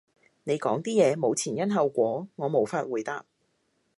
你講啲嘢冇前因後果，我無法回答